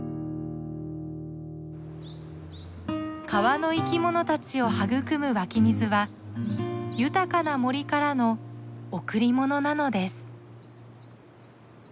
川の生き物たちを育む湧き水は豊かな森からの贈り物なのです。